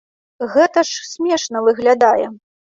Гэта ж смешна выглядае.